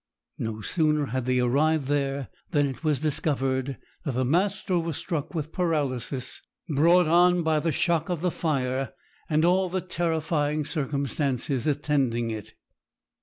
No sooner had they arrived there than it was discovered that the master was struck with paralysis, brought on by the shock of the fire, and all the terrifying circumstances attending it.